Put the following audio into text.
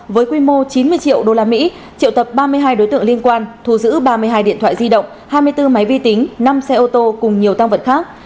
với quy mô chín mươi triệu usd triệu tập ba mươi hai đối tượng liên quan thu giữ ba mươi hai điện thoại di động hai mươi bốn máy vi tính năm xe ô tô cùng nhiều tăng vật khác